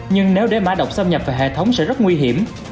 nhưng nếu để mã độc xâm nhập vào hệ thống sẽ rất nguy hiểm